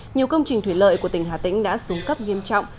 nhiều công trình thủy lợi của tỉnh hà tĩnh đã xuống cấp nghiêm trọng